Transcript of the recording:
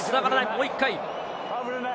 もう１回。